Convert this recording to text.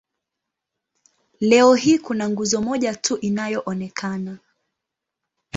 Leo hii kuna nguzo moja tu inayoonekana.